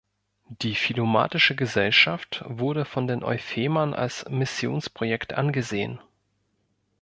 Die philomathische Gesellschaft wurde von den Euphemern als „Missionsprojekt“ angesehen.